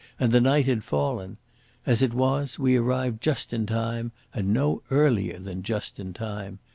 And the night had fallen. As it was, we arrived just in time, and no earlier than just in time.